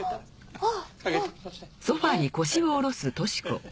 あっ！